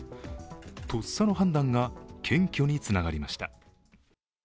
とっさの判断が検挙につながりました。